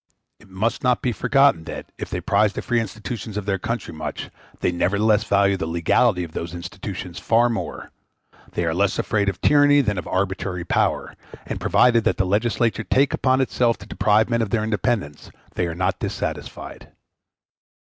It must not be forgotten that, if they prize the free institutions of their country much, they nevertheless value the legality of those institutions far more: they are less afraid of tyranny than of arbitrary power; and provided that the legislature take upon itself to deprive men of their independence, they are not dissatisfied.